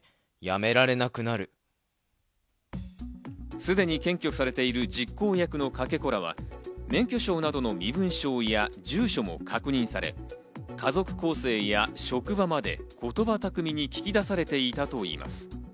すでに検挙されている実行役のかけ子らは、免許証などの身分証や住所も確認され、家族構成や職場まで言葉巧みに聞き出されていたといいます。